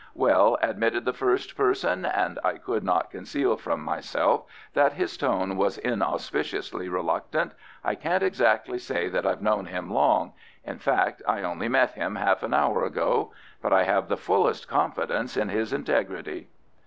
"Well," admitted the first person, and I could not conceal from myself that his tone was inauspiciously reluctant, "I can't exactly say that I've known him long; in fact I only met him half an hour ago. But I have the fullest confidence in his integrity."